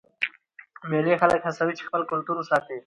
مېلې خلک هڅوي چې خپل کلتور وساتي.